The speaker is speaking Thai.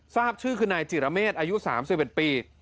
ทราบชื่อคือนายจิรเมษอายุ๓๑ปี